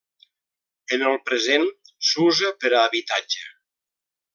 En el present s'usa per a habitatge.